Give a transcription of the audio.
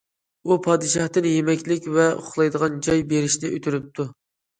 ئۇ پادىشاھتىن يېمەكلىك ۋە ئۇخلايدىغان جاي بېرىشنى ئۆتۈنۈپتۇ.